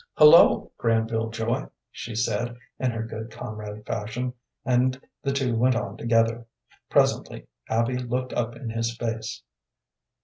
"Hullo, Granville Joy!" she said, in her good comrade fashion, and the two went on together. Presently Abby looked up in his face.